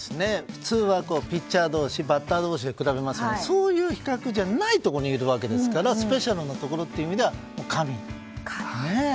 普通はピッチャー同士バッター同士で比べますけどそういう比較じゃないところにいるわけですからスペシャルなところって意味では神だよね。